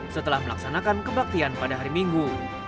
setelah melaksanakan kebaktian pada hari minggu